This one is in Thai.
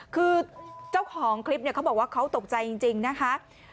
คือเจ้าของคลิปเขาบอกว่าเขาตกใจจริงนะคะ